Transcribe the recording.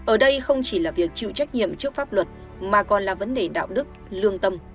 ở đây không chỉ là việc chịu trách nhiệm trước pháp luật mà còn là vấn đề đạo đức lương tâm